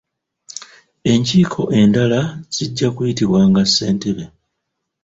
Enkiiko endala zijja kuyitibwanga ssentebe.